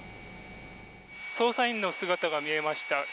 捜査員の姿が見えました。